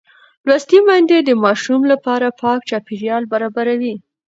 لوستې میندې د ماشوم لپاره پاک چاپېریال برابروي.